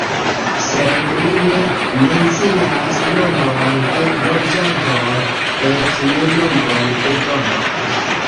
Sed li ne mencias nombron de loĝantoj, eĉ ne nombron de domoj.